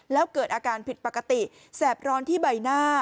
แล้วเกิดอาการผิดปกติแสบร้อนที่ใบหน้า